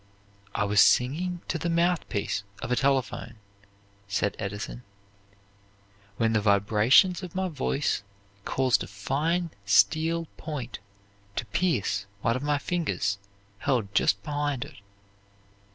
"I was singing to the mouthpiece of a telephone," said Edison, "when the vibrations of my voice caused a fine steel point to pierce one of my fingers held just behind it.